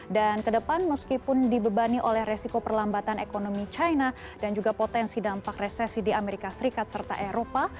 dan ke depan meskipun dibebani oleh resiko perlambatan ekonomi china dan juga potensi dampak resesi di amerika serikat serta eropa